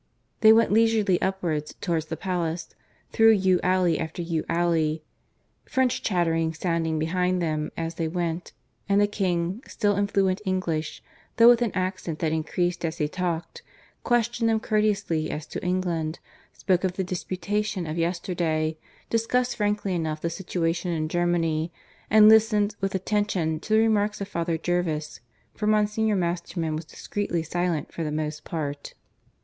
They went leisurely upwards towards the palace, through yew alley after yew alley, French chattering sounding behind them as they went; and the King, still in fluent English, though with an accent that increased as he talked, questioned them courteously as to England, spoke of the disputation of yesterday, discussed frankly enough the situation in Germany, and listened with attention to the remarks of Father Jervis; for Monsignor Masterman was discreetly silent for the most part.